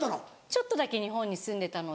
ちょっとだけ日本に住んでたので。